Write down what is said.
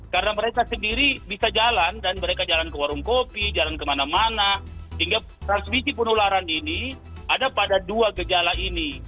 karena mereka sendiri bisa jalan dan mereka jalan ke warung kopi jalan kemana mana hingga transmisi penularan ini ada pada dua gejala ini